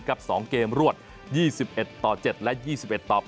๒เกมรวด๒๑ต่อ๗และ๒๑ต่อ๘